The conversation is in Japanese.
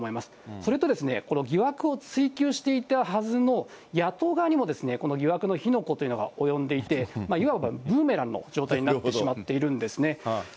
それと、この疑惑を追及していたはずの野党側にも、この疑惑の火の粉というのが及んでいて、いわばブーメランの状態になってしまっているんですね。